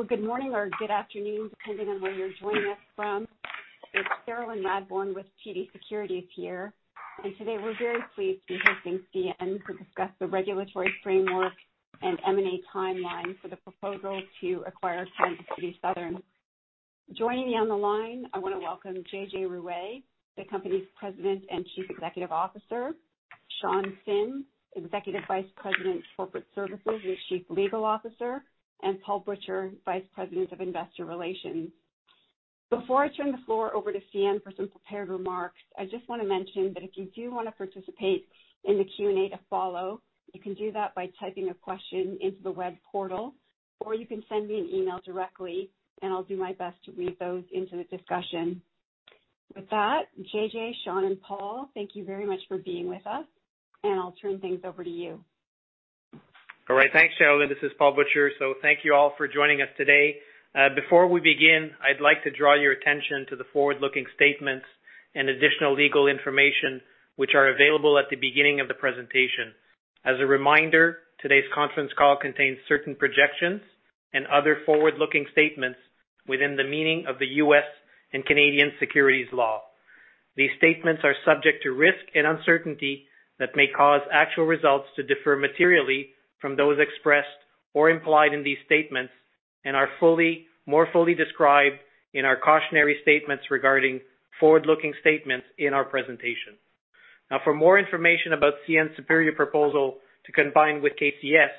Well, good morning or good afternoon, depending on where you're joining us from. It's Cherilyn Radbourne with TD Securities here. Today, we're very pleased to be hosting CN to discuss the regulatory framework and M&A timeline for the proposal to acquire Kansas City Southern. Joining me on the line, I want to welcome JJ. Ruest, the company's President and Chief Executive Officer, Sean Finn, Executive Vice President of Corporate Services and Chief Legal Officer, and Paul Butcher, Vice President of Investor Relations. Before I turn the floor over to CN for some prepared remarks, I just want to mention that if you do want to participate in the Q&A to follow, you can do that by typing a question into the web portal, or you can send me an email directly, and I'll do my best to read those into the discussion. With that, JJ., Sean, and Paul, thank you very much for being with us, and I'll turn things over to you. All right. Thanks, Cherilyn. This is Paul Butcher. Thank you all for joining us today. Before we begin, I'd like to draw your attention to the forward-looking statements and additional legal information which are available at the beginning of the presentation. As a reminder, today's conference call contains certain projections and other forward-looking statements within the meaning of the U.S. and Canadian securities law. These statements are subject to risk and uncertainty that may cause actual results to differ materially from those expressed or implied in these statements and are more fully described in our cautionary statements regarding forward-looking statements in our presentation. For more information about CN's superior proposal to combine with KCS,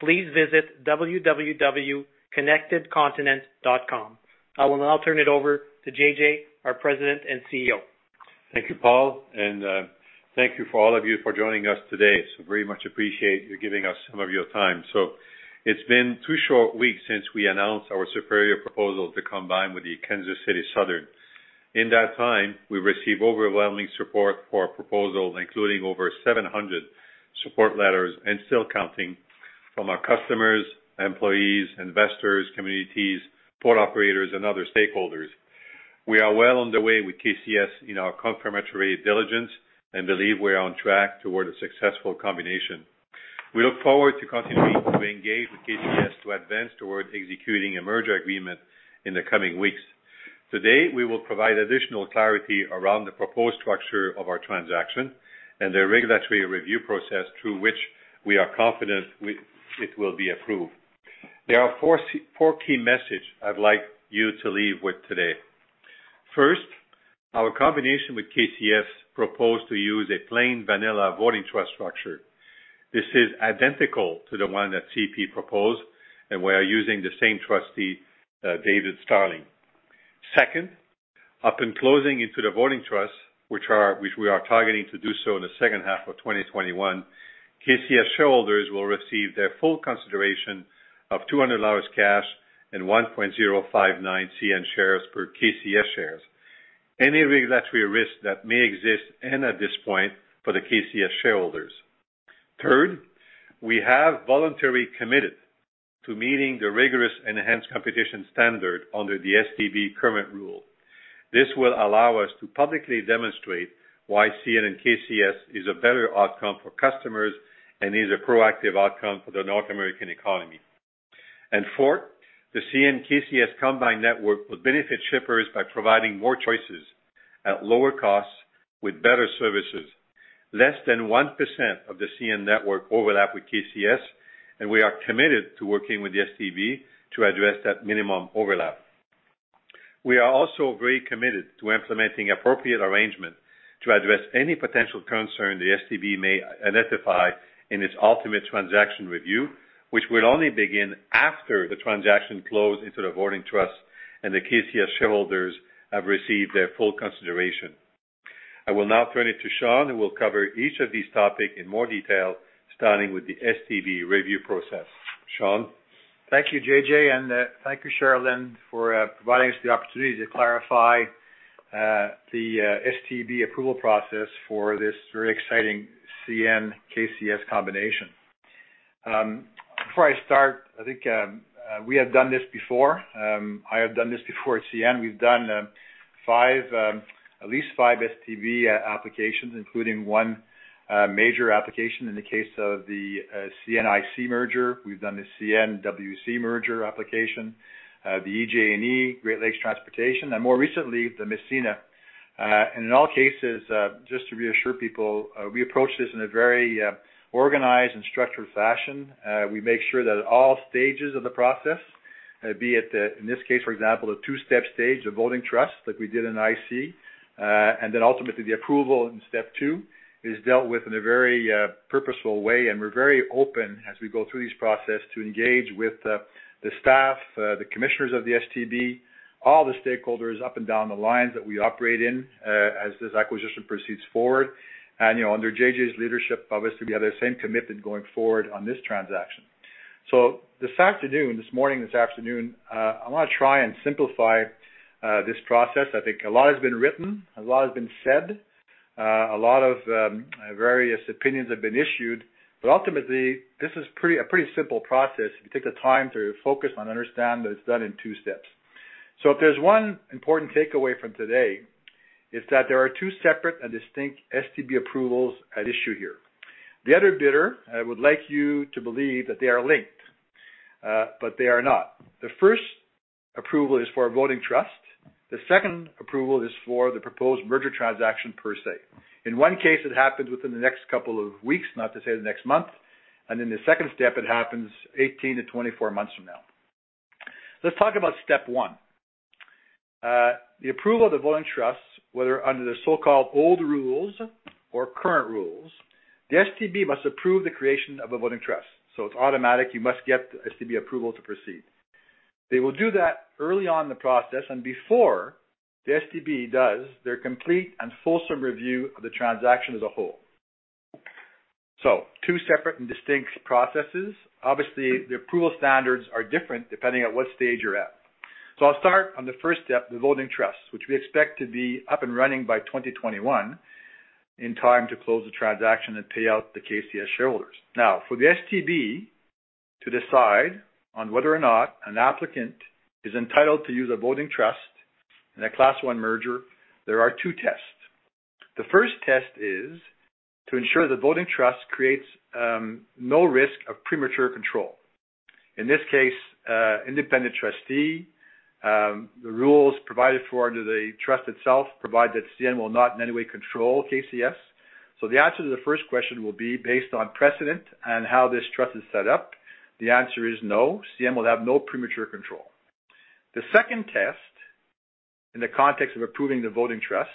please visit www.connectedcontinents.com. I will now turn it over to JJ., our President and CEO. Thank you, Paul. Thank you for all of you for joining us today. Very much appreciate you giving us some of your time. It's been two short weeks since we announced our superior proposal to combine with the Kansas City Southern. In that time, we received overwhelming support for our proposal, including over 700 support letters and still counting from our customers, employees, investors, communities, port operators, and other stakeholders. We are well on the way with KCS in our confirmatory diligence and believe we are on track toward a successful combination. We look forward to continuing to engage with KCS to advance toward executing a merger agreement in the coming weeks. Today, we will provide additional clarity around the proposed structure of our transaction and the regulatory review process through which we are confident it will be approved. There are four key message I'd like you to leave with today. First, our combination with KCS proposed to use a plain vanilla voting trust structure. This is identical to the one that CP proposed, and we are using the same trustee, David Starling. Second, up and closing into the voting trust, which we are targeting to do so in the second half of 2021, KCS shareholders will receive their full consideration of 200 dollars cash and 1.059 CN shares per KCS shares, any regulatory risk that may exist end at this point for the KCS shareholders. Third, we have voluntarily committed to meeting the rigorous enhanced competition standard under the STB current rule. This will allow us to publicly demonstrate why CN and KCS is a better outcome for customers and is a proactive outcome for the North American economy. Fourth, the CN KCS combined network will benefit shippers by providing more choices at lower costs with better services. Less than 1% of the CN network overlap with KCS, and we are committed to working with the STB to address that minimum overlap. We are also very committed to implementing appropriate arrangement to address any potential concern the STB may identify in its ultimate transaction review, which will only begin after the transaction close into the voting trust and the KCS shareholders have received their full consideration. I will now turn it to Sean, who will cover each of these topic in more detail, starting with the STB review process. Sean? Thank you, JJ., and thank you, Cherilyn, for providing us the opportunity to clarify the STB approval process for this very exciting CN KCS combination. Before I start, I think we have done this before. I have done this before at CN. We've done at least five STB applications, including one major application in the case of the CN IC merger. We've done the CN WC merger application, the EJ&E, Great Lakes Transportation, and more recently, the Massena. In all cases, just to reassure people, we approach this in a very organized and structured fashion. We make sure that at all stages of the process, be it in this case, for example, a two-step stage, the voting trust, like we did in IC, and then ultimately the approval in step 2 is dealt with in a very purposeful way, and we're very open as we go through this process to engage with the staff, the commissioners of the STB, all the stakeholders up and down the lines that we operate in as this acquisition proceeds forward. Under JJ.'s leadership, obviously, we have the same commitment going forward on this transaction. This afternoon, I want to try and simplify this process. I think a lot has been written, a lot has been said, a lot of various opinions have been issued. Ultimately, this is a pretty simple process if you take the time to focus and understand that it's done in two steps. If there's one important takeaway from today, it's that there are two separate and distinct STB approvals at issue here. The other bidder would like you to believe that they are linked. They are not. The first approval is for a voting trust. The second approval is for the proposed merger transaction per se. In one case, it happens within the next couple of weeks, not to say the next month. In the second step, it happens 18 to 24 months from now. Let's talk about step one. The approval of the voting trust, whether under the so-called old rules or current rules, the STB must approve the creation of a voting trust. It's automatic, you must get STB approval to proceed. They will do that early on in the process and before the STB does their complete and fulsome review of the transaction as a whole. Two separate and distinct processes. Obviously, the approval standards are different depending on what stage you're at. I'll start on the first step, the voting trust, which we expect to be up and running by 2021 in time to close the transaction and pay out the KCS shareholders. Now, for the STB to decide on whether or not an applicant is entitled to use a voting trust in a Class I merger, there are two tests. The first test is to ensure the voting trust creates no risk of premature control. In this case, independent trustee. The rules provided for under the trust itself provide that CN will not in any way control KCS. The answer to the first question will be based on precedent and how this trust is set up. The answer is no, CN will have no premature control. The second test in the context of approving the voting trust,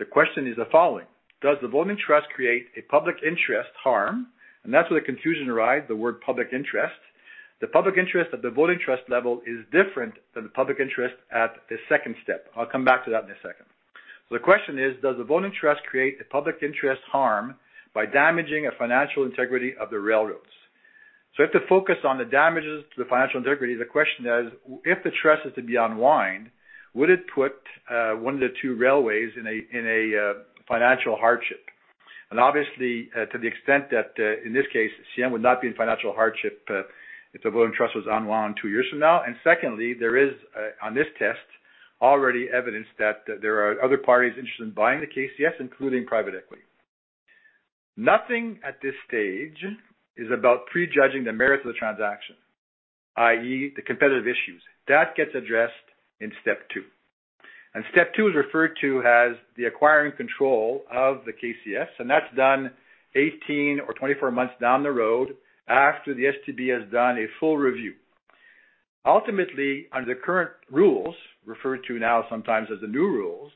the question is the following: does the voting trust create a public interest harm? That's where the confusion arrives, the word public interest. The public interest at the voting trust level is different than the public interest at the second step. I'll come back to that in a second. The question is, does the voting trust create a public interest harm by damaging a financial integrity of the railroads? We have to focus on the damages to the financial integrity. The question is, if the trust is to be unwind, would it put one of the two railways in a financial hardship? Obviously, to the extent that in this case, CN would not be in financial hardship if the voting trust was unwind two years from now. Secondly, there is, on this test, already evidence that there are other parties interested in buying the KCS, including private equity. Nothing at this stage is about prejudging the merits of the transaction, i.e., the competitive issues. That gets addressed in step 2, and step 2 is referred to as the acquiring control of the KCS, and that's done 18 or 24 months down the road after the STB has done a full review. Ultimately, under the current rules, referred to now sometimes as the new rules,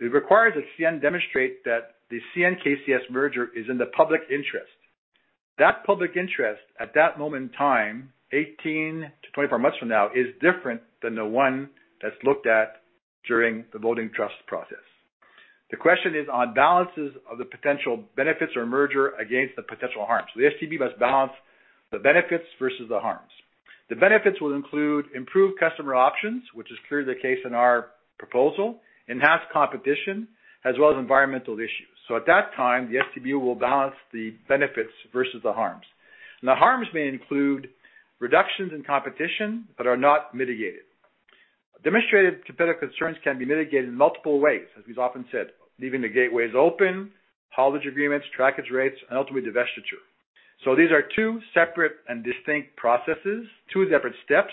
it requires that CN demonstrate that the CN KCS merger is in the public interest. That public interest at that moment in time, 18-24 months from now, is different than the one that's looked at during the voting trust process. The question is on balances of the potential benefits or merger against the potential harm. The STB must balance the benefits versus the harms. The benefits will include improved customer options, which is clearly the case in our proposal, enhanced competition, as well as environmental issues. At that time, the STB will balance the benefits versus the harms. The harms may include reductions in competition that are not mitigated. Demonstrated competitive concerns can be mitigated in multiple ways, as we've often said, leaving the gateways open, haulage agreements, trackage rights, and ultimately divestiture. These are two separate and distinct processes, two separate steps,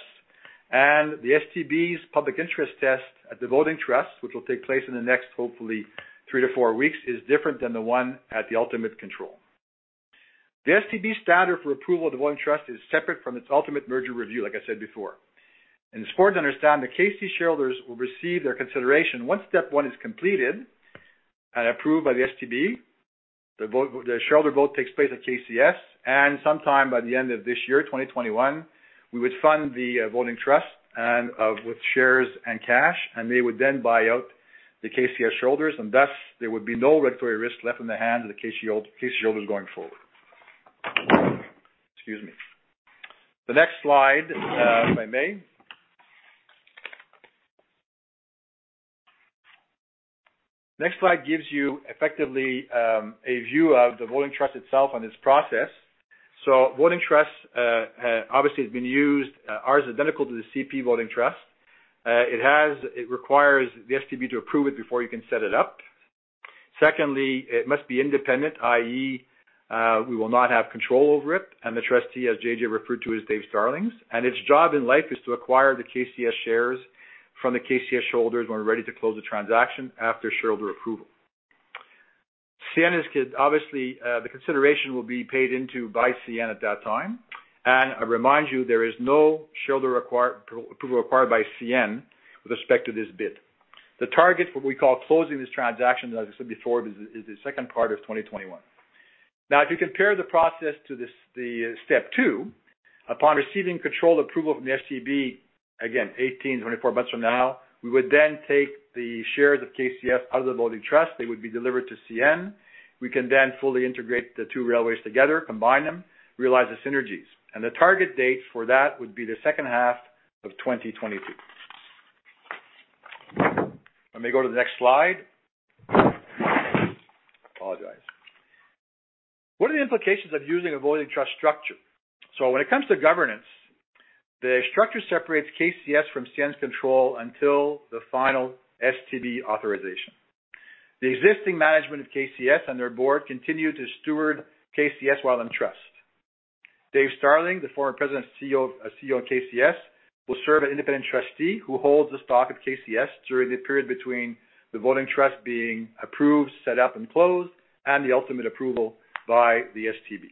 and the STB's public interest test at the voting trust, which will take place in the next, hopefully three to four weeks, is different than the one at the ultimate control. The STB standard for approval of the voting trust is separate from its ultimate merger review, like I said before. It's important to understand the Kansas City Southern shareholders will receive their consideration once step one is completed and approved by the STB. The shareholder vote takes place at KCS. Sometime by the end of this year, 2021, we would fund the voting trust with shares and cash. They would then buy out the KCS shareholders. Thus, there would be no regulatory risk left in the hands of the KCS shareholders going forward. Excuse me. The next slide, if I may. Next slide gives you effectively, a view of the voting trust itself and its process. Voting trust, obviously has been used. Ours is identical to the CP voting trust. It requires the STB to approve it before you can set it up. Secondly, it must be independent, i.e., we will not have control over it, and the trustee, as JJ referred to, is Dave Starling, and its job in life is to acquire the KCS shares from the KCS shareholders when we're ready to close the transaction after shareholder approval. Obviously, the consideration will be paid into by CN at that time, and I remind you, there is no shareholder approval required by CN with respect to this bid. The target for what we call closing this transaction, as I said before, is the second part of 2021. Now, if you compare the process to step 2, upon receiving control approval from the STB, again, 18 to 24 months from now, we would then take the shares of KCS out of the voting trust. They would be delivered to CN. We can fully integrate the two railways together, combine them, realize the synergies, and the target date for that would be the second half of 2022. Let me go to the next slide. I apologize. What are the implications of using a voting trust structure? When it comes to governance, the structure separates KCS from CN's control until the final STB authorization. The existing management of KCS and their board continue to steward KCS while in trust. David Starling, the former President and Chief Executive Officer of KCS, will serve an independent trustee who holds the stock of KCS during the period between the voting trust being approved, set up and closed, and the ultimate approval by the STB.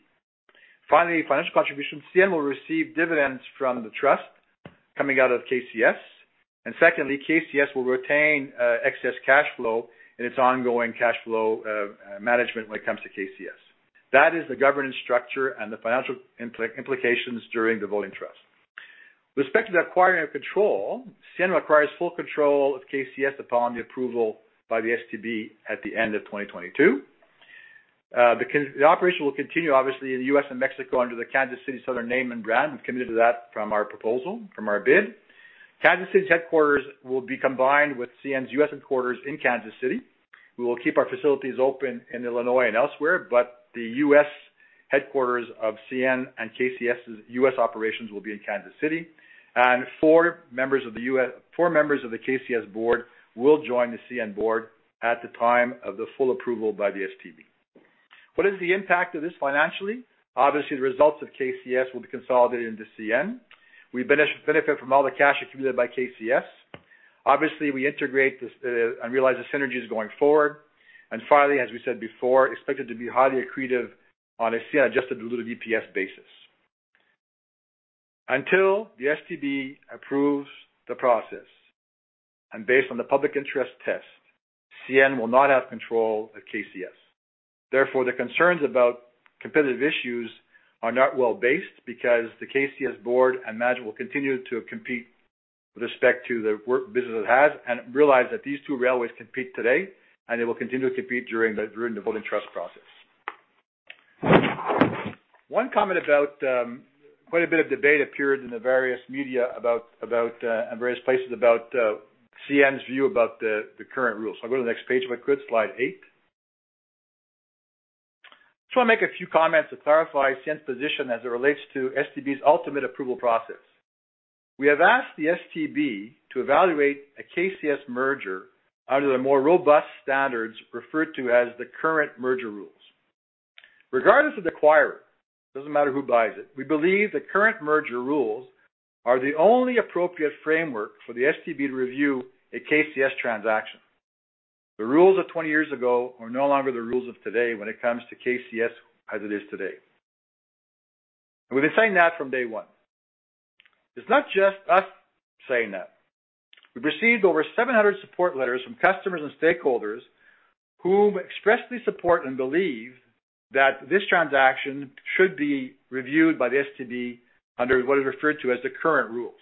Finally, financial contribution. CN will receive dividends from the trust coming out of KCS. Secondly, KCS will retain excess cash flow in its ongoing cash flow management when it comes to KCS. That is the governance structure and the financial implications during the voting trust. With respect to the acquiring of control, CN acquires full control of KCS upon the approval by the STB at the end of 2022. The operation will continue, obviously in the U.S. and Mexico, under the Kansas City Southern name and brand. We've committed to that from our proposal, from our bid. Kansas City's headquarters will be combined with CN's U.S. headquarters in Kansas City. We will keep our facilities open in Illinois and elsewhere, but the U.S. headquarters of CN and KCS's U.S. operations will be in Kansas City, and four members of the KCS board will join the CN board at the time of the full approval by the STB. What is the impact of this financially? Obviously, the results of KCS will be consolidated into CN. Obviously, we integrate this and realize the synergies going forward. Finally, as we said before, expected to be highly accretive on a CN adjusted diluted EPS basis. Until the STB approves the process and based on the public interest test, CN will not have control of KCS. The concerns about competitive issues are not well-based because the KCS board and management will continue to compete with respect to the work business it has and realize that these two railways compete today, and they will continue to compete during the voting trust process. One comment about quite a bit of debate appeared in the various media and various places about CN's view about the current rules. I'll go to the next page if I could, slide eight. Just want to make a few comments to clarify CN's position as it relates to STB's ultimate approval process. We have asked the STB to evaluate a KCS merger under the more robust standards referred to as the current merger rules. Regardless of the acquirer, doesn't matter who buys it, we believe the current merger rules are the only appropriate framework for the STB to review a KCS transaction. The rules of 20 years ago are no longer the rules of today when it comes to KCS as it is today. We've been saying that from day one. It's not just us saying that. We've received over 700 support letters from customers and stakeholders whom expressly support and believe that this transaction should be reviewed by the STB under what is referred to as the current rules.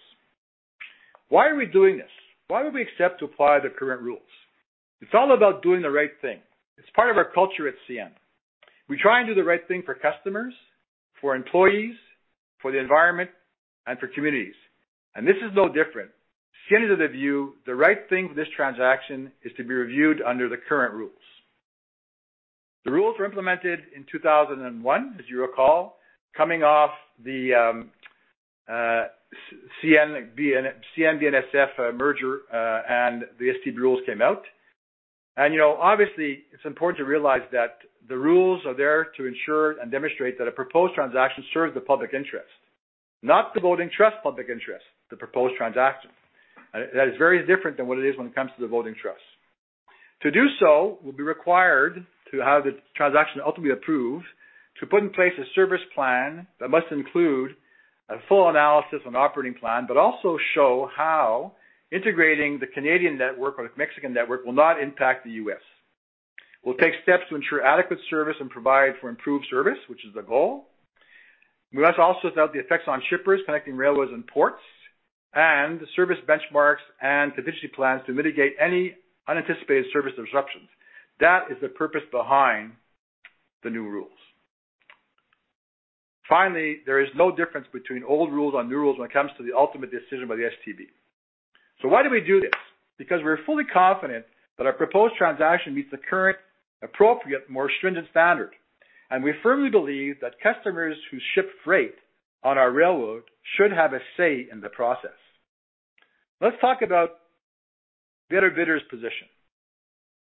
Why are we doing this? Why would we accept to apply the current rules? It's all about doing the right thing. It's part of our culture at CN. We try and do the right thing for customers, for employees, for the environment, and for communities. This is no different. CN is of the view the right thing for this transaction is to be reviewed under the current rules. The rules were implemented in 2001, as you recall, coming off the CN BNSF merger, and the STB rules came out. Obviously, it's important to realize that the rules are there to ensure and demonstrate that a proposed transaction serves the public interest, not the voting trust public interest, the proposed transaction. That is very different than what it is when it comes to the voting trust. To do so, we'll be required to have the transaction ultimately approved to put in place a service plan that must include a full analysis and operating plan, but also show how integrating the Canadian network or the Mexican network will not impact the U.S. We'll take steps to ensure adequate service and provide for improved service, which is the goal. We must also assess the effects on shippers connecting railways and ports, and the service benchmarks and contingency plans to mitigate any unanticipated service disruptions. That is the purpose behind the new rules. Finally, there is no difference between old rules and new rules when it comes to the ultimate decision by the STB. Why do we do this? Because we're fully confident that our proposed transaction meets the current, appropriate, more stringent standard, and we firmly believe that customers who ship freight on our railroad should have a say in the process. Let's talk about the other bidder's position.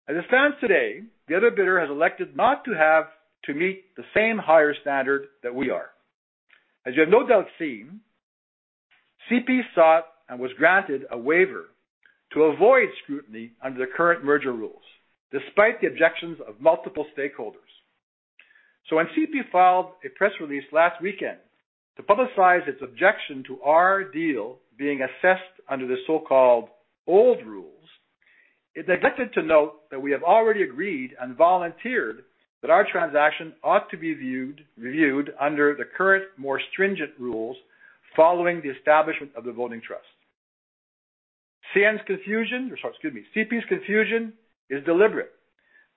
As it stands today, the other bidder has elected not to have to meet the same higher standard that we are. As you have no doubt seen, CP sought and was granted a waiver to avoid scrutiny under the current merger rules, despite the objections of multiple stakeholders. When CP filed a press release last weekend to publicize its objection to our deal being assessed under the so-called old rules, it neglected to note that we have already agreed and volunteered that our transaction ought to be reviewed under the current, more stringent rules following the establishment of the voting trust. CP's confusion is deliberate.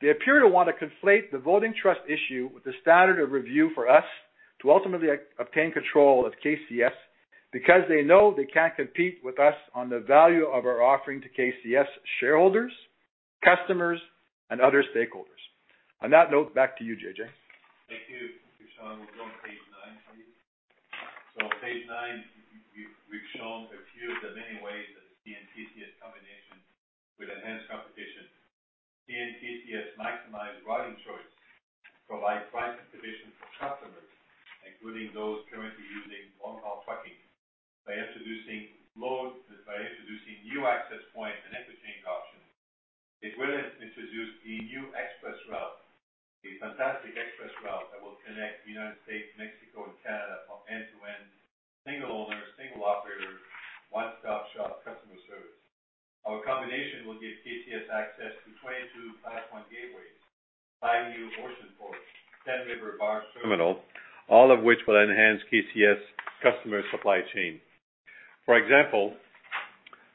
They appear to want to conflate the voting trust issue with the standard of review for us to ultimately obtain control of KCS because they know they can't compete with us on the value of our offering to KCS shareholders, customers, and other stakeholders. On that note, back to you, JJ. Thank you. Sean, we go on page nine, please. On page nine, we've shown a few of the many ways that CN/KCS combination would enhance competition. CN/KCS maximize routing choice, provide pricing competition for customers, including those currently using long-haul trucking by introducing new access points and interchange options. It will introduce a new express route, a fantastic express route that will connect the U.S., Mexico, and Canada from end-to-end, single owner, single operator, one-stop shop customer service. Our combination will give KCS access to 22 Class I gateways, five new ocean ports, 10 river barge terminals, all of which will enhance KCS customer supply chain. For example,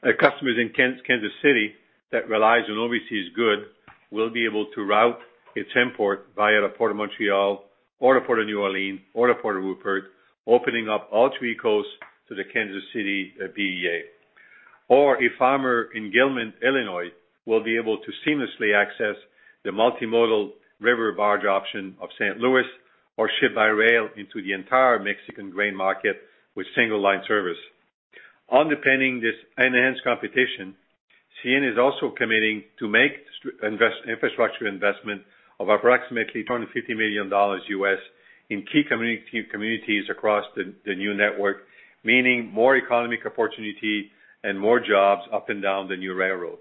a customer in Kansas City that relies on overseas goods will be able to route its import via the Port of Montreal or the Port of New Orleans or the Port of Rupert, opening up all three coasts to the Kansas City BEA. A farmer in Gilman, Illinois, will be able to seamlessly access the multimodal river barge option of St. Louis or ship by rail into the entire Mexican grain market with single-line service. Underpinning this enhanced competition, CN is also committing to make infrastructure investment of approximately $250 million in key communities across the new network, meaning more economic opportunity and more jobs up and down the new railroad.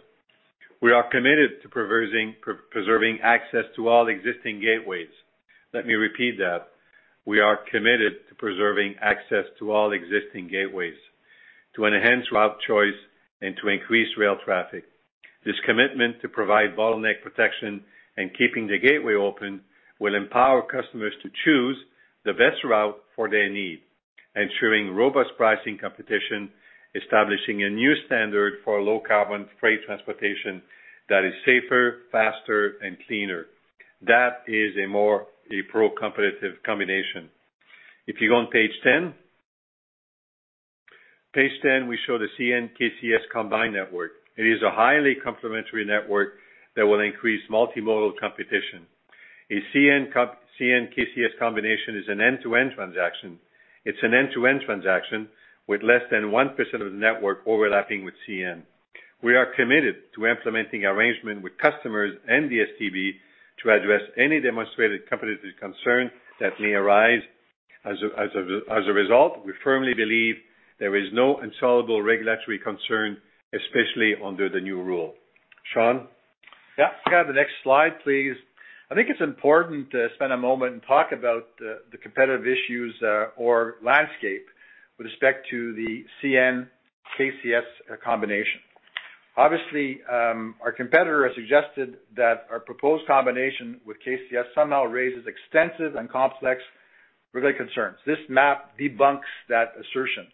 We are committed to preserving access to all existing gateways. Let me repeat that. We are committed to preserving access to all existing gateways to enhance route choice and to increase rail traffic. This commitment to provide bottleneck protection and keeping the gateway open will empower customers to choose the best route for their need, ensuring robust pricing competition, establishing a new standard for low carbon freight transportation that is safer, faster, and cleaner. That is a pro-competitive combination. If you go on page 10. Page 10, we show the CN/KCS combined network. It is a highly complementary network that will increase multimodal competition. A CN/KCS combination is an end-to-end transaction. It's an end-to-end transaction with less than 1% of the network overlapping with CN. We are committed to implementing arrangement with customers and the STB to address any demonstrated competitive concern that may arise. As a result, we firmly believe there is no insoluble regulatory concern, especially under the new rule. Sean. Yeah. Can I have the next slide, please? I think it's important to spend a moment and talk about the competitive issues or landscape with respect to the CN/KCS combination. Our competitor has suggested that our proposed combination with KCS somehow raises extensive and complex regulatory concerns. This map debunks that assertion.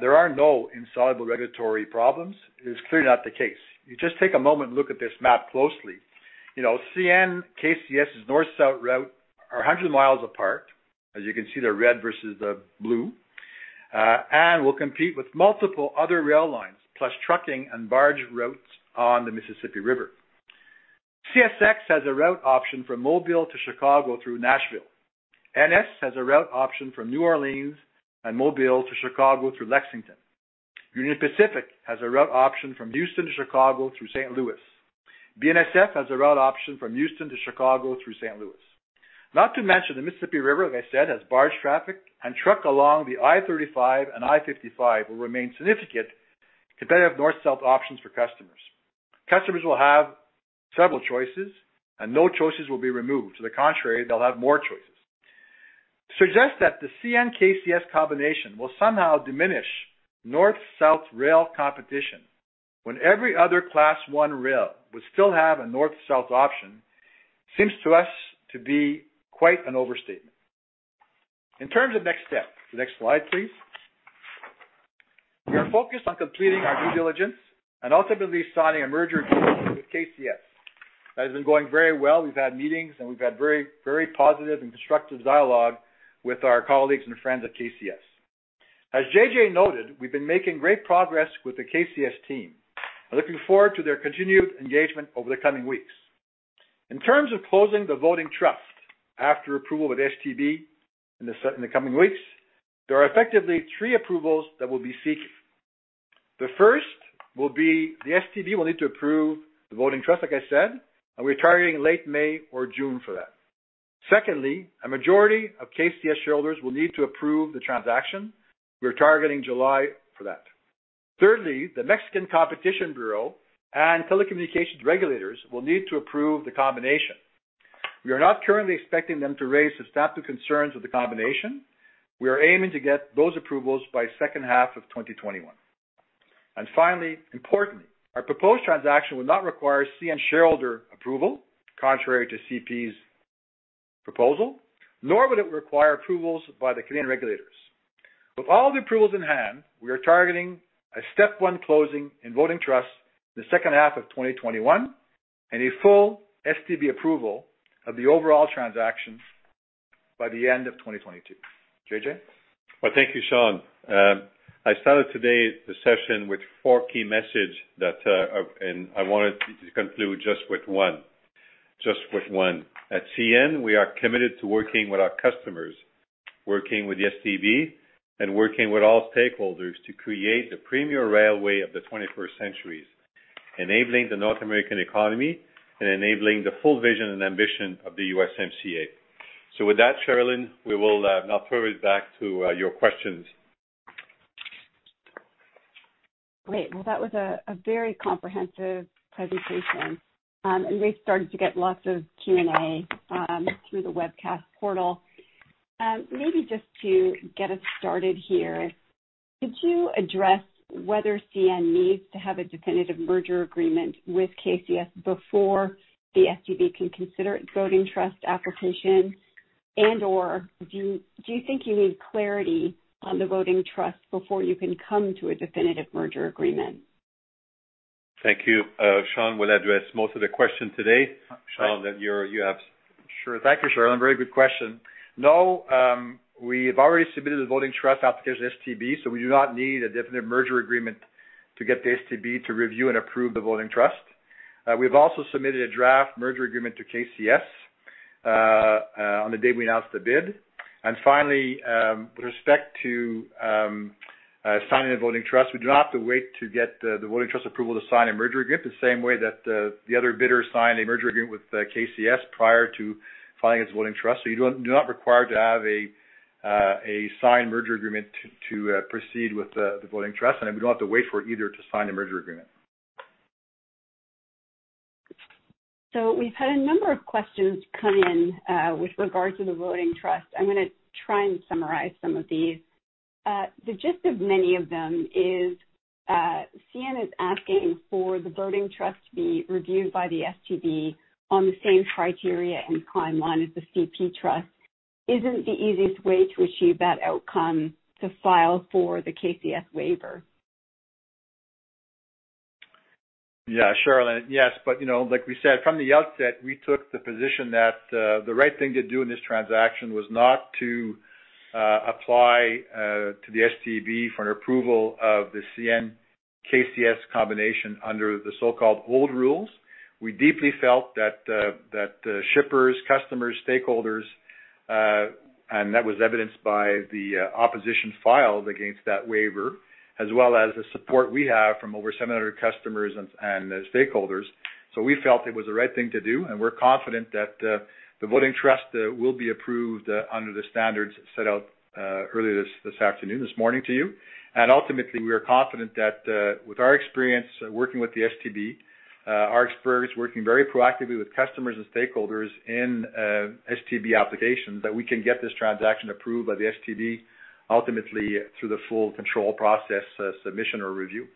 There are no insoluble regulatory problems. It is clearly not the case. You just take a moment and look at this map closely. CN/KCS' north-south route are 100 miles apart, as you can see the red versus the blue, and will compete with multiple other rail lines, plus trucking and barge routes on the Mississippi River. CSX has a route option from Mobile to Chicago through Nashville. NS has a route option from New Orleans and Mobile to Chicago through Lexington. Union Pacific has a route option from Houston to Chicago through St. Louis. BNSF has a route option from Houston to Chicago through St. Louis. Not to mention, the Mississippi River, like I said, has barge traffic and truck along the I-35 and I-55 will remain significant competitive north-south options for customers. Customers will have several choices and no choices will be removed. To the contrary, they'll have more choices. Suggest that the CN/KCS combination will somehow diminish north-south rail competition when every other Class I rail would still have a north-south option, seems to us to be quite an overstatement. In terms of next steps, the next slide, please. We are focused on completing our due diligence and ultimately signing a merger agreement with KCS. That has been going very well. We've had meetings. We've had very positive and constructive dialogue with our colleagues and friends at KCS. As JJ noted, we've been making great progress with the KCS team and looking forward to their continued engagement over the coming weeks. In terms of closing the voting trust after approval with STB in the coming weeks, there are effectively three approvals that we'll be seeking. The first will be the STB will need to approve the voting trust, like I said, and we're targeting late May or June for that. Secondly, a majority of KCS shareholders will need to approve the transaction. We're targeting July for that. Thirdly, the Mexican Competition Bureau and telecommunications regulators will need to approve the combination. We are not currently expecting them to raise substantive concerns with the combination. We are aiming to get those approvals by second half of 2021. Finally, importantly, our proposed transaction will not require CN shareholder approval, contrary to CP's proposal, nor would it require approvals by the Canadian regulators. With all the approvals in hand, we are targeting a step one closing in voting trust in the second half of 2021. A full STB approval of the overall transactions by the end of 2022. JJ. Thank you, Sean. I started today's session with four key message, I wanted to conclude just with one. At CN, we are committed to working with our customers, working with the STB, and working with all stakeholders to create the premier railway of the 21st centuries, enabling the North American economy and enabling the full vision and ambition of the USMCA. With that, Cherilyn Radbourne, we will now throw it back to your questions. Great. Well, that was a very comprehensive presentation. We started to get lots of Q&A through the webcast portal. Maybe just to get us started here, could you address whether CN needs to have a definitive merger agreement with KCS before the STB can consider its voting trust application, and/or do you think you need clarity on the voting trust before you can come to a definitive merger agreement? Thank you. Sean will address most of the question today. Sean, you have. Sure. Thank you, Cherilyn. Very good question. We have already submitted a voting trust application to STB. We do not need a definitive merger agreement to get the STB to review and approve the voting trust. We've also submitted a draft merger agreement to KCS on the day we announced the bid. Finally, with respect to signing a voting trust, we do not have to wait to get the voting trust approval to sign a merger agreement the same way that the other bidders signed a merger agreement with KCS prior to filing its voting trust. You do not require to have a signed merger agreement to proceed with the voting trust, and we don't have to wait for either to sign a merger agreement. We've had a number of questions come in with regards to the voting trust. I'm going to try and summarize some of these. The gist of many of them is, CN is asking for the voting trust to be reviewed by the STB on the same criteria and timeline as the CP trust. Isn't the easiest way to achieve that outcome to file for the KCS waiver? Cherilyn, yes, but like we said from the outset, we took the position that the right thing to do in this transaction was not to apply to the STB for an approval of the CN KCS combination under the so-called old rules. We deeply felt that shippers, customers, stakeholders, and that was evidenced by the opposition filed against that waiver, as well as the support we have from over 700 customers and stakeholders. We felt it was the right thing to do, and we're confident that the voting trust will be approved under the standards set out earlier this afternoon, this morning to you. Ultimately, we are confident that with our experience working with the STB, our experts working very proactively with customers and stakeholders in STB applications, that we can get this transaction approved by the STB, ultimately through the full control process, submission or review.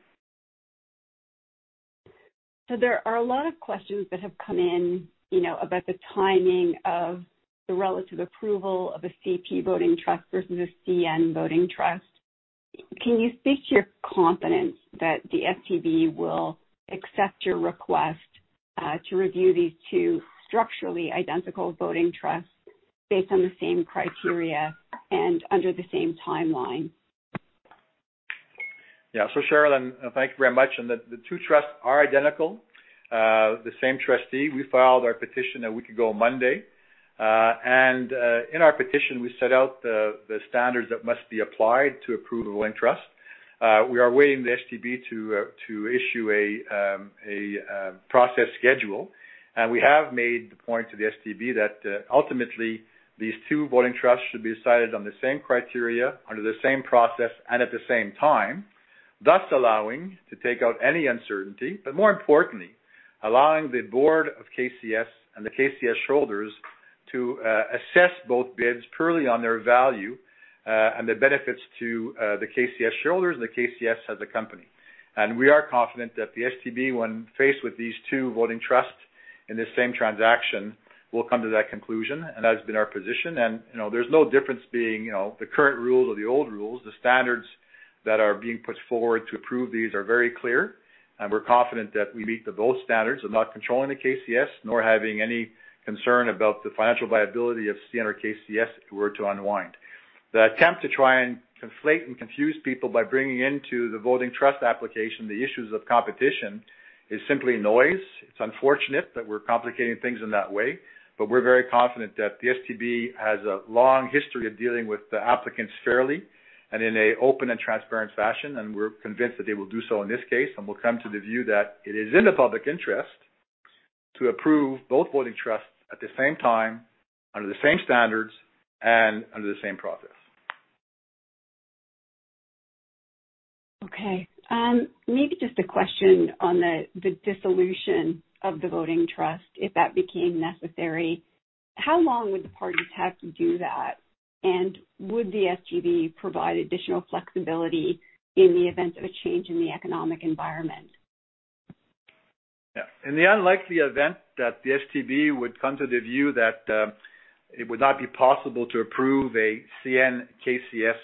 There are a lot of questions that have come in about the timing of the relative approval of a CP voting trust versus a CN voting trust. Can you speak to your confidence that the STB will accept your request to review these two structurally identical voting trusts based on the same criteria and under the same timeline? Yeah. Cherilyn, thank you very much. The two trusts are identical, the same trustee. We filed our petition a week ago Monday. In our petition, we set out the standards that must be applied to approve a voting trust. We are awaiting the STB to issue a process schedule. We have made the point to the STB that ultimately these two voting trusts should be decided on the same criteria, under the same process, and at the same time, thus allowing to take out any uncertainty. More importantly, allowing the board of KCS and the KCS shareholders to assess both bids purely on their value and the benefits to the KCS shareholders and the KCS as a company. We are confident that the STB, when faced with these two voting trusts in this same transaction, will come to that conclusion, and that has been our position. There's no difference being the current rules or the old rules. The standards that are being put forward to approve these are very clear, and we're confident that we meet both standards of not controlling the KCS, nor having any concern about the financial viability of CN or KCS if it were to unwind. The attempt to try and conflate and confuse people by bringing into the voting trust application the issues of competition is simply noise. It's unfortunate that we're complicating things in that way, but we're very confident that the STB has a long history of dealing with the applicants fairly and in a open and transparent fashion, and we're convinced that they will do so in this case and will come to the view that it is in the public interest to approve both voting trusts at the same time, under the same standards, and under the same process. Okay. Maybe just a question on the dissolution of the voting trust, if that became necessary. How long would the parties have to do that, and would the STB provide additional flexibility in the event of a change in the economic environment? Yeah. In the unlikely event that the STB would come to the view that it would not be possible to approve a CN KCS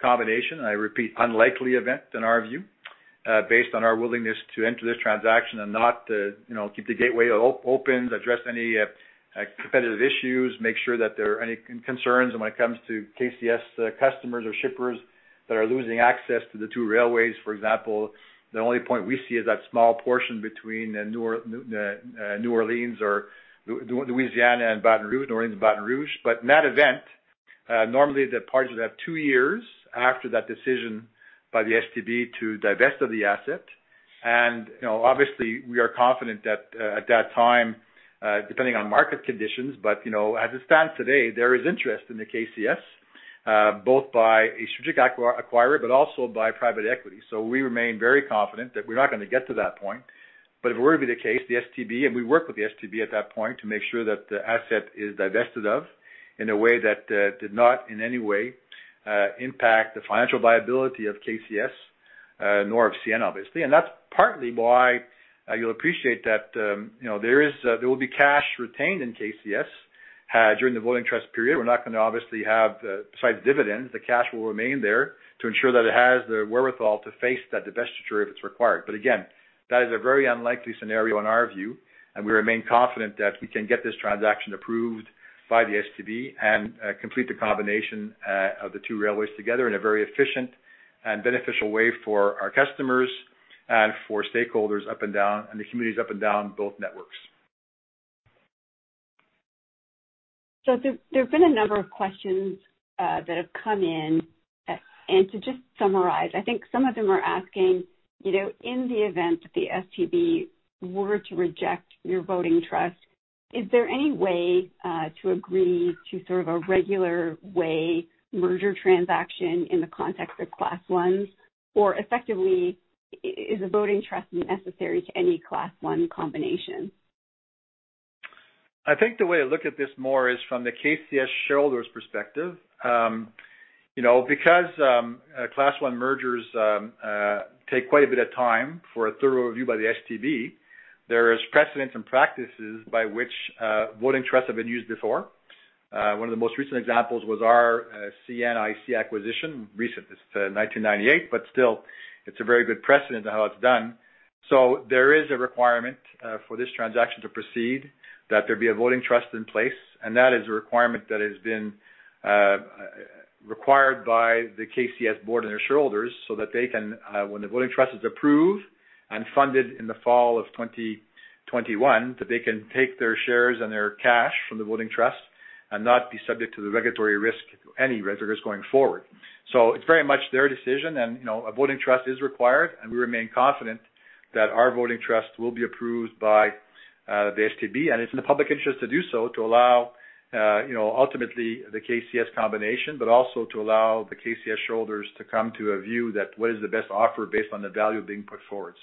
combination. I repeat, unlikely event in our view, based on our willingness to enter this transaction and not to keep the gateway open, address any competitive issues, make sure that there are any concerns when it comes to KCS customers or shippers that are losing access to the two railways, for example. The only point we see is that small portion between New Orleans or Louisiana and Baton Rouge, New Orleans and Baton Rouge. In that event, normally the parties would have two years after that decision by the STB to divest of the asset. Obviously we are confident that at that time, depending on market conditions, but as it stands today, there is interest in the KCS, both by a strategic acquirer, but also by private equity. We remain very confident that we're not going to get to that point, but if it were to be the case, the STB, and we work with the STB at that point to make sure that the asset is divested of in a way that did not in any way impact the financial viability of KCS, nor of CN, obviously. That's partly why you'll appreciate that there will be cash retained in KCS during the voting trust period. We're not going to obviously have, besides dividends, the cash will remain there to ensure that it has the wherewithal to face that divestiture if it's required. Again, that is a very unlikely scenario in our view, and we remain confident that we can get this transaction approved by the STB and complete the combination of the two railways together in a very efficient and beneficial way for our customers and for stakeholders and the communities up and down both networks. There have been a number of questions that have come in and to just summarize, I think some of them are asking, in the event that the STB were to reject your voting trust, is there any way to agree to sort of a regular way merger transaction in the context of Class Is or effectively is a voting trust necessary to any Class I combination? I think the way I look at this more is from the KCS shareholders perspective. Class I mergers take quite a bit of time for a thorough review by the STB, there is precedents and practices by which voting trusts have been used before. One of the most recent examples was our CNIC acquisition, recent, this is 1998, still, it's a very good precedent to how it's done. There is a requirement for this transaction to proceed that there be a voting trust in place, and that is a requirement that has been required by the KCS board and their shareholders so that they can, when the voting trust is approved and funded in the fall of 2021, that they can take their shares and their cash from the voting trust and not be subject to the regulatory risk, any regulatory risk going forward. It's very much their decision and a voting trust is required, and we remain confident that our voting trust will be approved by the STB, and it's in the public interest to do so to allow ultimately the KCS combination, but also to allow the KCS shareholders to come to a view that what is the best offer based on the value being put forward.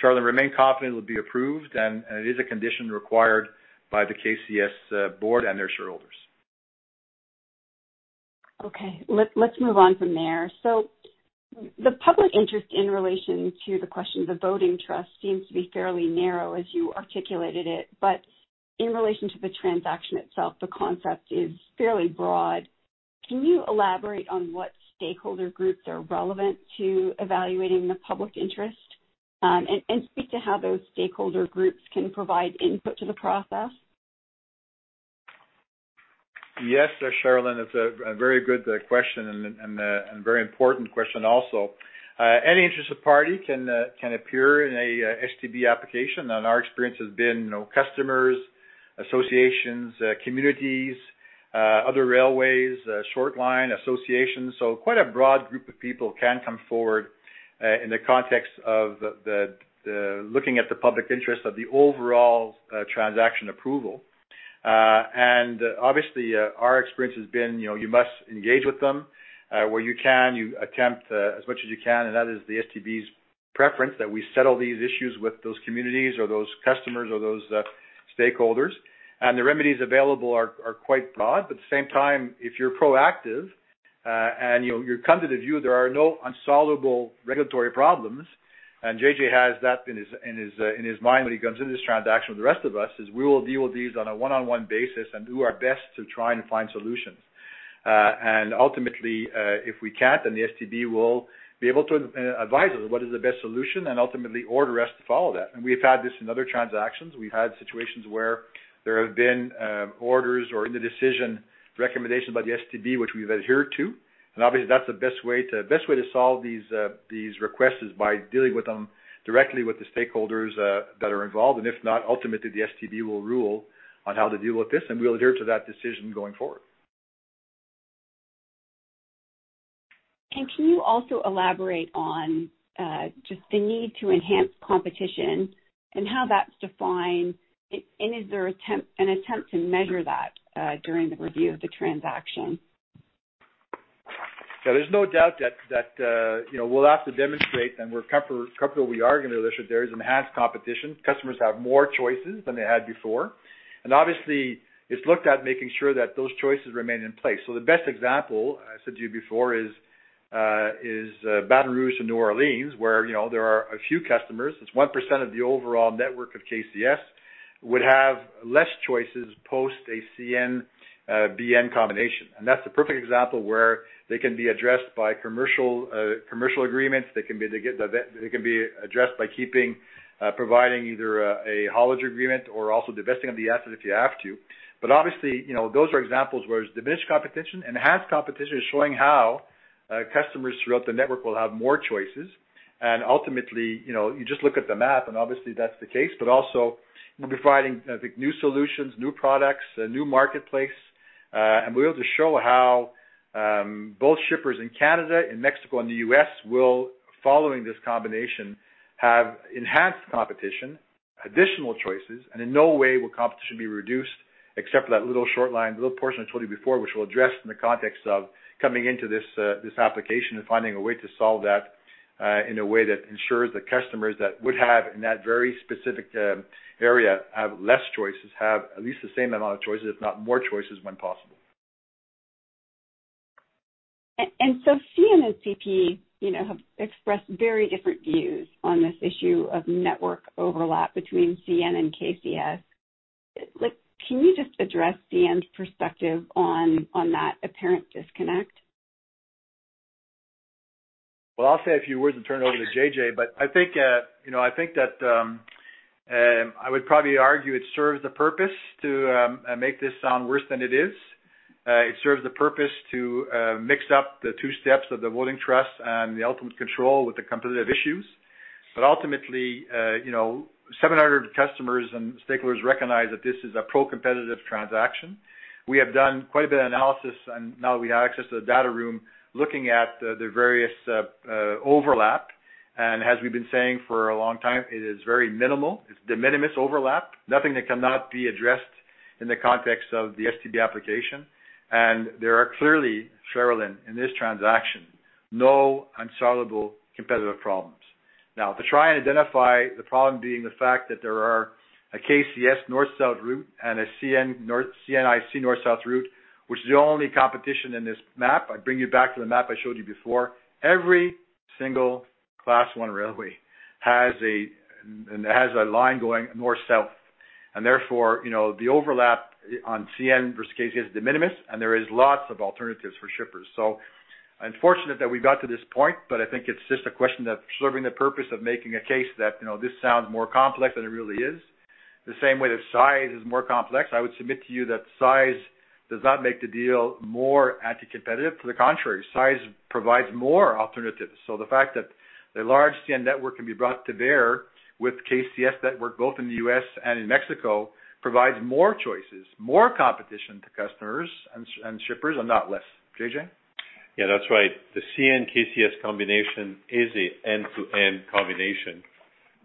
Cherilyn, remain confident it will be approved and it is a condition required by the KCS board and their shareholders. Let's move on from there. The public interest in relation to the question of the voting trust seems to be fairly narrow as you articulated it, but in relation to the transaction itself, the concept is fairly broad. Can you elaborate on what stakeholder groups are relevant to evaluating the public interest? Speak to how those stakeholder groups can provide input to the process. Yes, Cherilyn, it's a very good question and a very important question also. Any interested party can appear in a STB application, and our experience has been customers, associations, communities, other railways, short line associations. Quite a broad group of people can come forward in the context of looking at the public interest of the overall transaction approval. Obviously, our experience has been, you must engage with them where you can, you attempt as much as you can, and that is the STB's preference that we settle these issues with those communities or those customers or those stakeholders. The remedies available are quite broad. At the same time, if you're proactive, and you come to the view there are no unsolvable regulatory problems, and JJ has that in his mind when he comes into this transaction with the rest of us, is we will deal with these on a one-on-one basis and do our best to try and find solutions. Ultimately, if we can't, the STB will be able to advise us what is the best solution and ultimately order us to follow that. We've had this in other transactions. We've had situations where there have been orders or in the decision recommendations by the STB, which we've adhered to. Obviously that's the best way to solve these requests is by dealing with them directly with the stakeholders that are involved and if not, ultimately, the STB will rule on how to deal with this, and we'll adhere to that decision going forward. Can you also elaborate on just the need to enhance competition and how that's defined, and is there an attempt to measure that during the review of the transaction? Yeah, there's no doubt that we'll have to demonstrate, and we're comfortable we are going to illustrate there is enhanced competition. Customers have more choices than they had before. Obviously it's looked at making sure that those choices remain in place. The best example I said to you before is Baton Rouge and New Orleans, where there are a few customers. It's 1% of the overall network of KCS. Customers would have less choices post a CN BN combination. That's a perfect example where they can be addressed by commercial agreements. They can be addressed by keeping, providing either a haulage agreement or also divesting of the asset if you have to. Obviously, those are examples where there's diminished competition. Enhanced competition is showing how customers throughout the network will have more choices. Ultimately, you just look at the map and obviously that's the case, but also we'll be providing, I think, new solutions, new products, a new marketplace. Be able to show how both shippers in Canada and Mexico and the U.S. will, following this combination, have enhanced competition, additional choices, and in no way will competition be reduced except for that little short line, the little portion I told you before, which we'll address in the context of coming into this application and finding a way to solve that in a way that ensures the customers that would have in that very specific area have less choices, have at least the same amount of choices, if not more choices when possible. CN and CP have expressed very different views on this issue of network overlap between CN and KCS. Can you just address CN's perspective on that apparent disconnect? Well, I'll say a few words and turn it over to JJ, but I think that I would probably argue it serves a purpose to make this sound worse than it is. It serves a purpose to mix up the two steps of the voting trust and the ultimate control with the competitive issues. Ultimately, 700 customers and stakeholders recognize that this is a pro-competitive transaction. We have done quite a bit of analysis and now we have access to the data room looking at the various overlap. As we've been saying for a long time, it is very minimal. It's de minimis overlap, nothing that cannot be addressed in the context of the STB application. There are clearly, Cherilyn, in this transaction, no unsolvable competitive problems. To try and identify the problem being the fact that there are a KCS north-south route and a CN IC north-south route, which is the only competition in this map. I bring you back to the map I showed you before. Every single Class I railway has a line going north-south. Therefore, the overlap on CN versus KCS is de minimis, and there is lots of alternatives for shippers. Unfortunate that we got to this point, but I think it's just a question of serving the purpose of making a case that this sounds more complex than it really is. The same way that size is more complex, I would submit to you that size does not make the deal more anti-competitive. To the contrary, size provides more alternatives. The fact that the large CN network can be brought to bear with KCS network both in the U.S. and in Mexico, provides more choices, more competition to customers and shippers, and not less. JJ? Yeah, that's right. The CN KCS combination is an end-to-end combination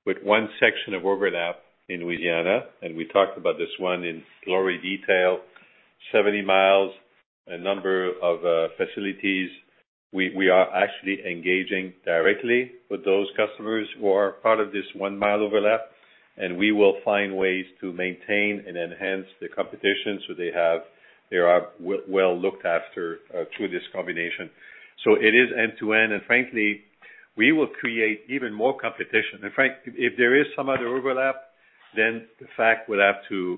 with one section of overlap in Louisiana, and we talked about this one in great detail, 70 miles, a number of facilities. We are actually engaging directly with those customers who are part of this one-mile overlap, and we will find ways to maintain and enhance the competition so they are well looked after through this combination. It is end to end, and frankly, we will create even more competition. Frankly, if there is some other overlap, then the fact would have to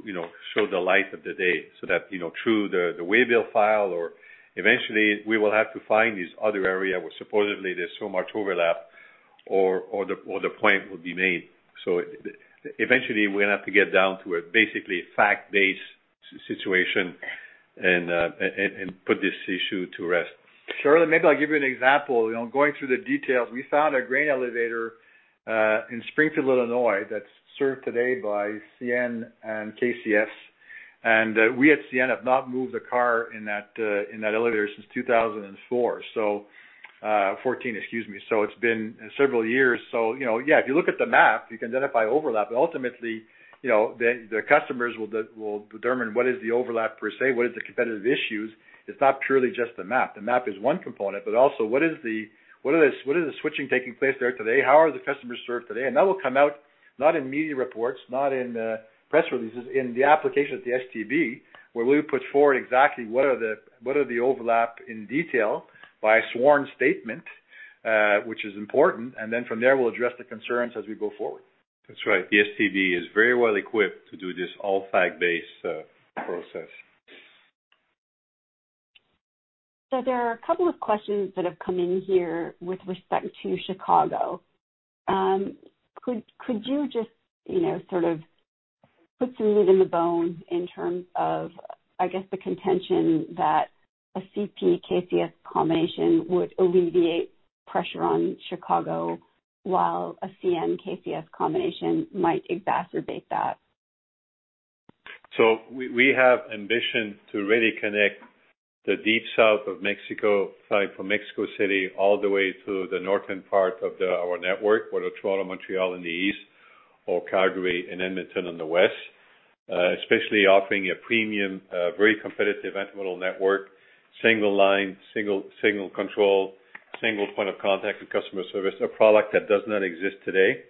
show the light of the day so that through the waybill file or eventually we will have to find this other area where supposedly there's so much overlap or the point will be made. Eventually we're going to have to get down to a basically fact-based situation and put this issue to rest. Cherilyn, maybe I'll give you an example. Going through the details, we found a grain elevator in Springfield, Illinois, that's served today by CN and KCS. We at CN have not moved a car in that elevator since 2014, excuse me. It's been several years. Yeah, if you look at the map, you can identify overlap, but ultimately, the customers will determine what is the overlap per se, what is the competitive issues. It's not purely just the map. The map is one component, but also what is the switching taking place there today? How are the customers served today? That will come out not in media reports, not in press releases, in the application at the STB, where we put forward exactly what are the overlap in detail by sworn statement, which is important. From there, we'll address the concerns as we go forward. That's right. The STB is very well equipped to do this all fact-based process. There are a couple of questions that have come in here with respect to Chicago. Could you just sort of put some meat on the bone in terms of, I guess, the contention that a CP KCS combination would alleviate pressure on Chicago while a CN KCS combination might exacerbate that? We have ambition to really connect the deep south of Mexico, starting from Mexico City, all the way to the northern part of our network, whether Toronto, Montreal in the east or Calgary and Edmonton in the west, especially offering a premium, very competitive end-middle network, single line, single control, single point of contact with customer service, a product that does not exist today,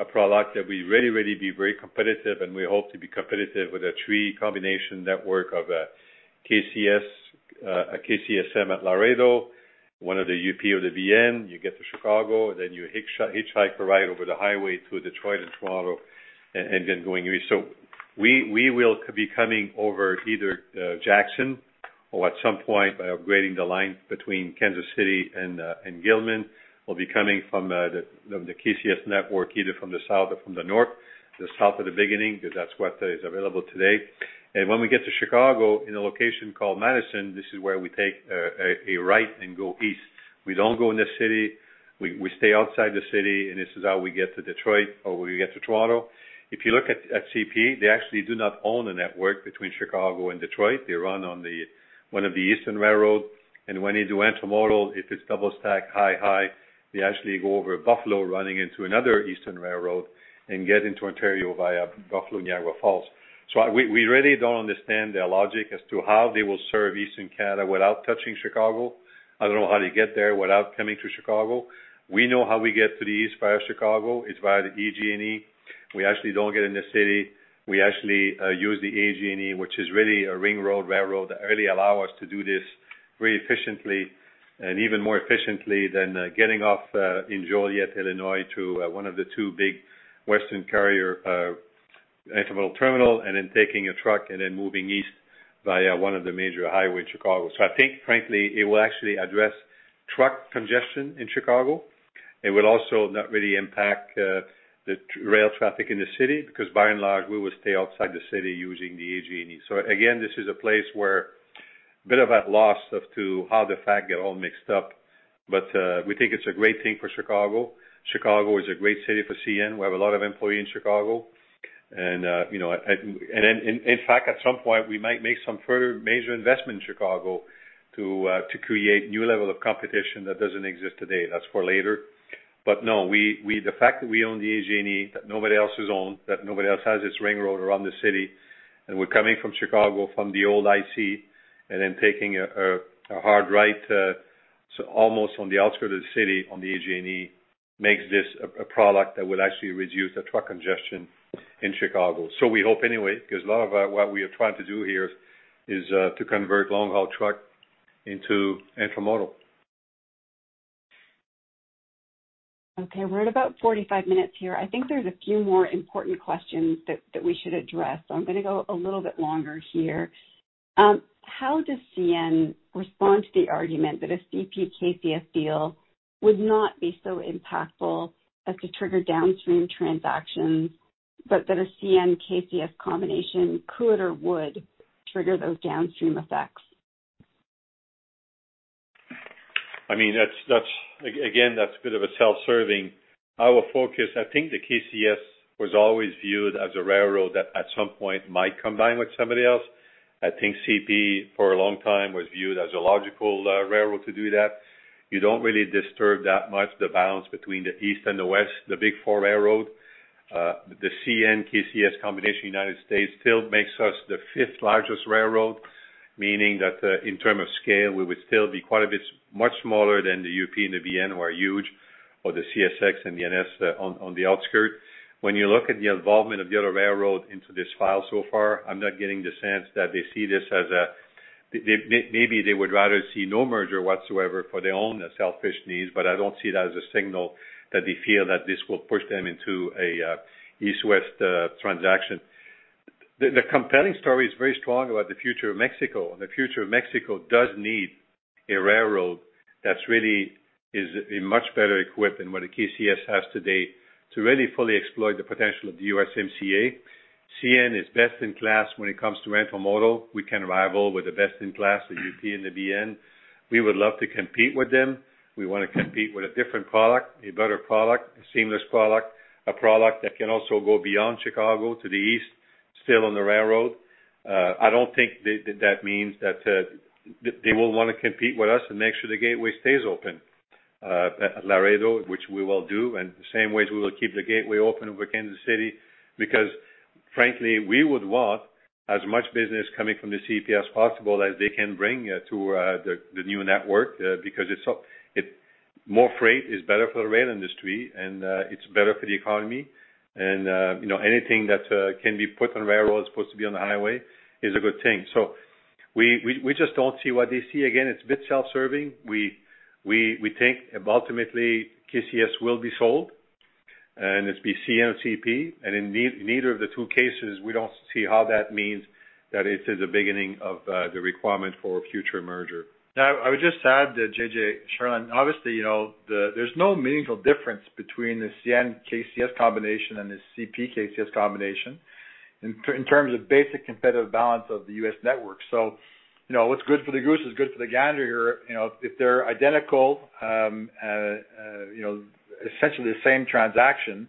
a product that we really be very competitive and we hope to be competitive with a three-combination network of a KCSM at Laredo-One of the UP or the BN, you get to Chicago, then you hitchhike a ride over the highway to Detroit and Toronto, and then going east. We will be coming over either Jackson or at some point by upgrading the line between Kansas City and Gilman, we'll be coming from the KCS network, either from the south or from the north, the south at the beginning, because that's what is available today. When we get to Chicago in a location called Madison, this is where we take a right and go east. We don't go in the city. We stay outside the city, and this is how we get to Detroit or we get to Toronto. If you look at CP, they actually do not own a network between Chicago and Detroit. They run on one of the eastern railroads, and when they do intermodal, if it's double-stack high-high, they actually go over Buffalo running into another eastern railroad and get into Ontario via Buffalo-Niagara Falls. We really don't understand their logic as to how they will serve Eastern Canada without touching Chicago. I don't know how they get there without coming to Chicago. We know how we get to the east via Chicago. It's via the EJ&E. We actually don't get in the city. We actually use the EJ&E, which is really a ring road railroad that really allow us to do this very efficiently, and even more efficiently than getting off in Joliet, Illinois, to one of the two big western carrier intermodal terminal, and then taking a truck and then moving east via one of the major highway in Chicago. I think frankly, it will actually address truck congestion in Chicago. It will also not really impact the rail traffic in the city because by and large, we will stay outside the city using the EJ&E. Again, this is a place where a bit of that loss as to how the facts get all mixed up. We think it's a great thing for Chicago. Chicago is a great city for CN. We have a lot of employees in Chicago. In fact, at some point, we might make some further major investment in Chicago to create new level of competition that doesn't exist today. That's for later. No, the fact that we own the EJ&E that nobody else owns, that nobody else has this ring road around the city, and we're coming from Chicago from the old IC, and then taking a hard right to almost on the outskirt of the city on the EJ&E makes this a product that will actually reduce the truck congestion in Chicago. We hope anyway, because a lot of what we are trying to do here is to convert long-haul truck into intermodal. We're at about 45 minutes here. I think there's a few more important questions that we should address, so I'm going to go a little bit longer here. How does CN respond to the argument that a CP-KCS deal would not be so impactful as to trigger downstream transactions, but that a CN-KCS combination could or would trigger those downstream effects? Again, that's a bit of a self-serving. I think the KCS was always viewed as a railroad that at some point might combine with somebody else. I think CP for a long time was viewed as a logical railroad to do that. You don't really disturb that much the balance between the east and the west, the big four railroad. The CN-KCS combination in the U.S. still makes us the fifth largest railroad, meaning that in terms of scale, we would still be quite a bit much smaller than the UP and the BN who are huge, or the CSX and the NS on the outskirts. When you look at the involvement of the other railroad into this file so far, I'm not getting the sense that they see this as maybe they would rather see no merger whatsoever for their own selfish needs, but I don't see that as a signal that they feel that this will push them into an East-West transaction. The compelling story is very strong about the future of Mexico, the future of Mexico does need a railroad that really is much better equipped than what a KCS has today to really fully exploit the potential of the USMCA. CN is best in class when it comes to intermodal. We can rival with the best in class, the UP and the BN. We would love to compete with them. We want to compete with a different product, a better product, a seamless product, a product that can also go beyond Chicago to the east, still on the railroad. I don't think that means that they will want to compete with us and make sure the gateway stays open at Laredo, which we will do, and the same ways we will keep the gateway open over Kansas City, because frankly, we would want as much business coming from the CP as possible as they can bring to the new network because more freight is better for the rail industry and it's better for the economy. Anything that can be put on railroad as opposed to be on the highway is a good thing. We just don't see what they see. Again, it's a bit self-serving. We think ultimately KCS will be sold, and it's be CN or CP, and in neither of the two cases, we don't see how that means that it is a beginning of the requirement for future merger. I would just add that JJ, Cherilyn, obviously, there's no meaningful difference between the CN-KCS combination and the CP-KCS combination in terms of basic competitive balance of the U.S. network. What's good for the goose is good for the gander here. If they're identical, essentially the same transaction,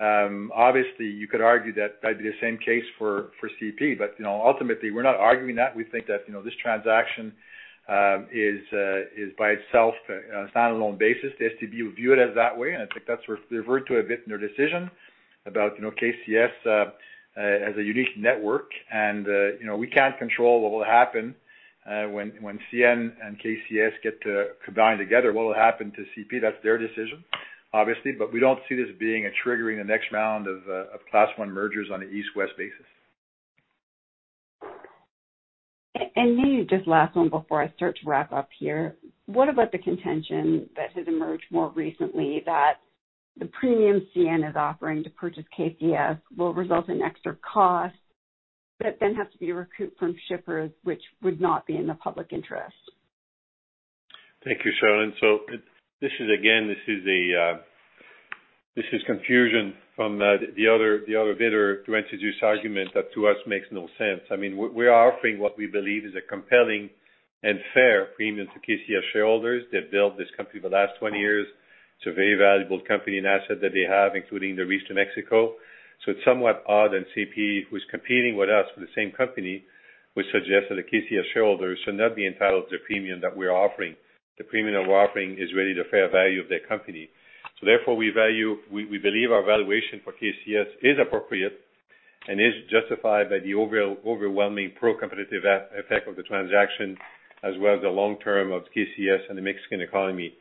obviously you could argue that that'd be the same case for CP. Ultimately, we're not arguing that. We think that this transaction is by itself on a stand-alone basis. The STB will view it as that way, and I think that's what they've referred to a bit in their decision about KCS as a unique network. We can't control what will happen when CN and KCS get combined together, what will happen to CP, that's their decision, obviously. We don't see this being a triggering the next round of Class I mergers on an East-West basis. Maybe just last one before I start to wrap up here. What about the contention that has emerged more recently that the premium CN is offering to purchase KCS will result in extra costs that then have to be recouped from shippers, which would not be in the public interest? Thank you, Cherilyn. Again, this is confusion from the other bidder to introduce argument that to us makes no sense. We are offering what we believe is a compelling and fair premium to KCS shareholders. They've built this company for the last 20 years. It's a very valuable company and asset that they have, including the reach to Mexico. It's somewhat odd that CP, who's competing with us for the same company, would suggest that the KCS shareholders should not be entitled to the premium that we're offering. The premium that we're offering is really the fair value of their company. Therefore, we believe our valuation for KCS is appropriate and is justified by the overwhelming pro-competitive effect of the transaction, as well as the long term of KCS and the Mexican economy.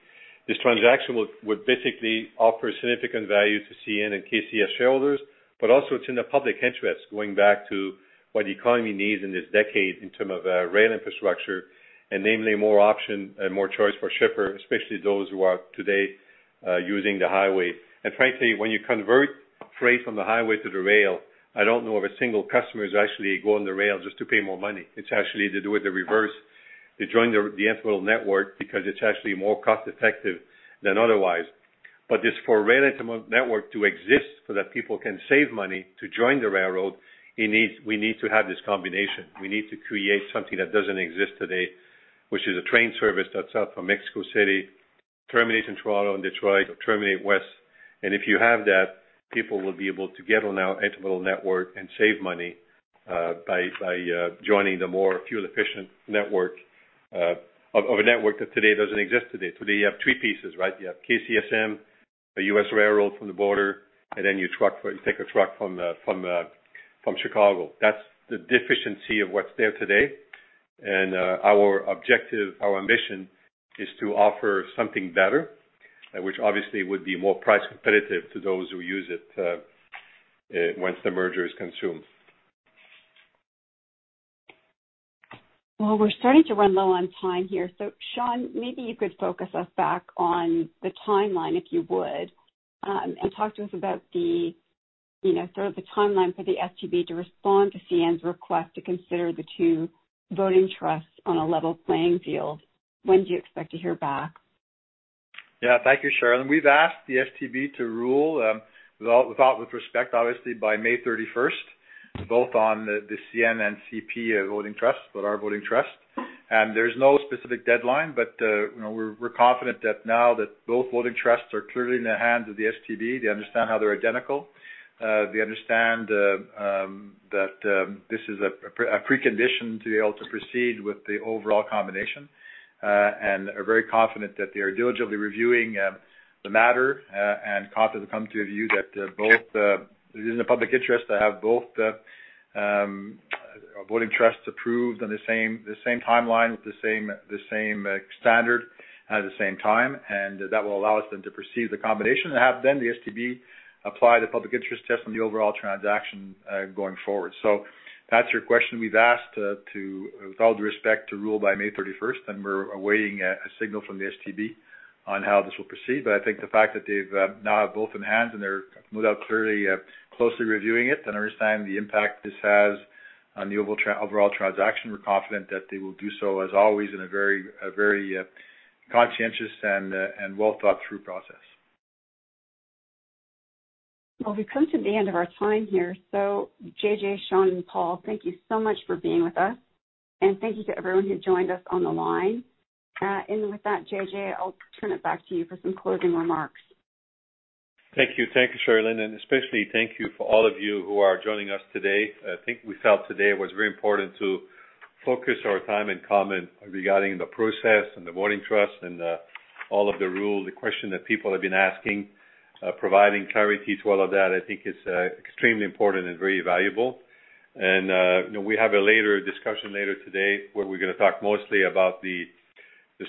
This transaction would basically offer significant value to CN and KCS shareholders. Also, it's in the public interest, going back to what the economy needs in this decade in term of rail infrastructure, and namely, more option and more choice for shippers, especially those who are today using the highway. Frankly, when you convert freight from the highway to the rail, I don't know of a single customer who's actually going to rail just to pay more money. It's actually they do it the reverse. They join the intermodal network because it's actually more cost effective than otherwise. For a rail intermodal network to exist so that people can save money to join the railroad, we need to have this combination. We need to create something that doesn't exist today, which is a train service that's out from Mexico City, terminates in Toronto and Detroit, or terminate west. If you have that, people will be able to get on our intermodal network and save money by joining the more fuel-efficient network, of a network that today doesn't exist today. Today, you have three pieces, right? You have KCSM, a U.S. railroad from the border, and then you take a truck from Chicago. That's the deficiency of what's there today. Our objective, our mission, is to offer something better, which obviously would be more price competitive to those who use it once the merger is consumed. Well, we're starting to run low on time here. Sean, maybe you could focus us back on the timeline, if you would, and talk to us about the timeline for the STB to respond to CN's request to consider the two voting trusts on a level playing field. When do you expect to hear back? Thank you, Cherilyn. We've asked the STB to rule with respect, obviously, by May 31st, both on the CN and CP voting trust. There's no specific deadline, but we're confident that now that both voting trusts are clearly in the hands of the STB, they understand how they're identical. They understand that this is a precondition to be able to proceed with the overall combination and are very confident that they are diligently reviewing the matter and confident to come to a view that it is in the public interest to have both voting trusts approved on the same timeline with the same standard at the same time. That will allow us then to proceed with the combination and have then the STB apply the public interest test on the overall transaction going forward. To answer your question, we've asked, with all due respect, to rule by May 31st, and we're awaiting a signal from the STB on how this will proceed. I think the fact that they now have both in hand and they're no doubt clearly closely reviewing it and understand the impact this has on the overall transaction, we're confident that they will do so, as always, in a very conscientious and well-thought-through process. Well, we've come to the end of our time here. JJ, Sean, and Paul, thank you so much for being with us. Thank you to everyone who joined us on the line. With that, JJ, I'll turn it back to you for some closing remarks. Thank you. Thank you, Cherilyn. Especially thank you for all of you who are joining us today. I think we felt today it was very important to focus our time and comment regarding the process and the voting trust and all of the rules, the question that people have been asking, providing clarity to all of that, I think is extremely important and very valuable. We have a later discussion later today where we're going to talk mostly about the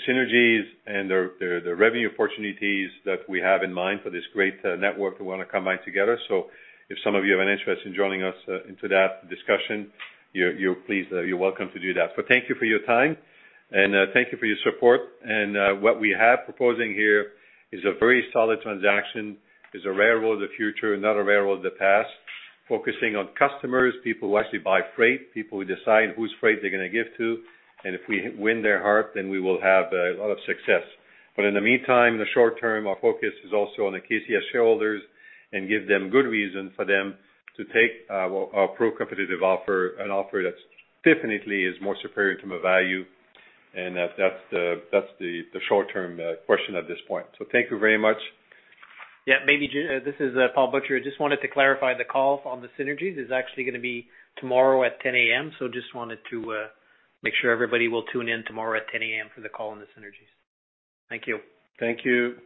synergies and the revenue opportunities that we have in mind for this great network we want to combine together. If some of you have an interest in joining us into that discussion, you're welcome to do that. Thank you for your time and thank you for your support. What we have proposing here is a very solid transaction, is a railroad of the future, not a railroad of the past, focusing on customers, people who actually buy freight, people who decide whose freight they're going to give to. If we win their heart, then we will have a lot of success. In the meantime, in the short term, our focus is also on the KCS shareholders and give them good reason for them to take our pro-competitive offer, an offer that definitely is more superior to McValue. That's the short-term question at this point. Thank you very much. Yeah. This is Paul Butcher. I just wanted to clarify the call on the synergies is actually going to be tomorrow at 10:00 A.M. Just wanted to make sure everybody will tune in tomorrow at 10:00 A.M. for the call on the synergies. Thank you. Thank you.